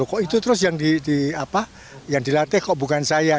kok itu terus yang dilatih kok bukan saya